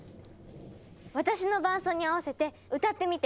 私の伴奏に合わせて歌ってみて。